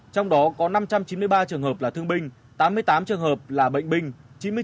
trong đó có năm trăm chín mươi ba trường hợp là thương binh tám mươi tám trường hợp là bệnh binh